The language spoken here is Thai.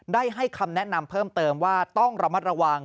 ได้ให้คำแนะนำเพิ่มเติมว่าต้องระมัดระวัง